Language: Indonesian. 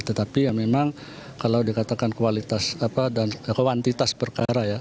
tetapi memang kalau dikatakan kualitas dan kuantitas perkara